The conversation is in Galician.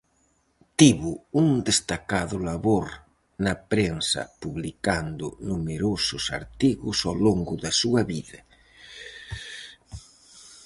Tivo un destacado labor na prensa publicando numerosos artigos ao longo da súa vida.